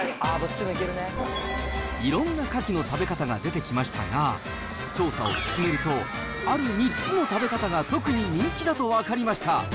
いろんなカキの食べ方が出てきましたが、調査を進めると、ある３つの食べ方が特に人気だと分かりました。